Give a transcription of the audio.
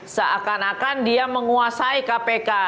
seakan akan dia menguasai kpk